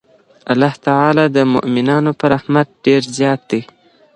الله تعالی د مؤمنانو په رحمت ډېر زیات دی.